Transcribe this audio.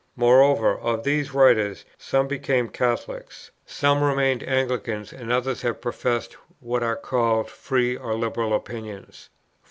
Moreover, of these writers some became Catholics, some remained Anglicans, and others have professed what are called free or liberal opinions.